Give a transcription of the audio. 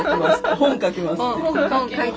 本書きます。